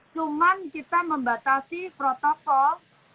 cuman kita membatasi protokol